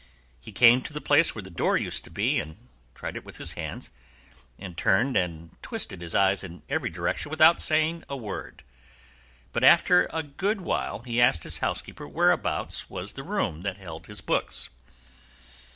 He came to the place where the door used to be, and tried it with his hands, and turned and twisted his eyes in every direction without saying a word; but after a good while he asked his housekeeper whereabouts was the room that held his books.